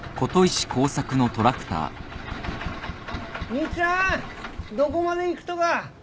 ・・・兄ちゃんどこまで行くとか？